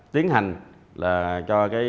tiến hành là cho cái